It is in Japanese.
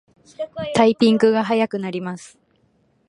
タイピングが早くなります